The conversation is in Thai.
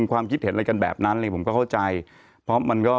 ความคิดเห็นอะไรกันแบบนั้นเลยผมก็เข้าใจเพราะมันก็